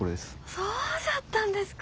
そうじゃったんですか。